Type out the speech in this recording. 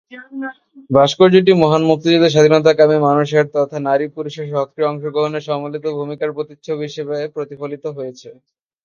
ভাস্কর্যটি মহান মুক্তিযুদ্ধে স্বাধীনতাকামী মানুষের তথা নারী-পুরুষের সক্রিয় অংশগ্রহণের সম্মিলিত ভূমিকার প্রতিচ্ছবি হিসেবে প্রতিফলিত হয়েছে।